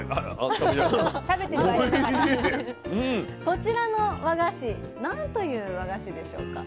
こちらの和菓子何という和菓子でしょうか？